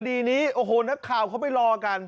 คดีนี้โอ้โหนักข่าวเขาไปรอกัน